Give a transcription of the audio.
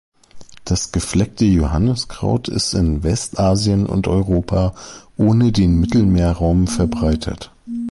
Das Gefleckte Johanniskraut ist in Westasien und Europa ohne den Mittelmeerraum verbreitet.